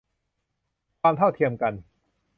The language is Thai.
ความเท่าเทียมกัน